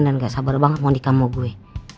dan gak sabar banget mau nikah sama gue